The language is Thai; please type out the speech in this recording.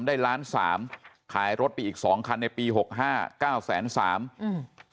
ได้ล้านสามขายรถไปอีกสองคันในปีหกห้าเก้าแสนสามอืม